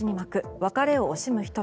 別れを惜しむ人々。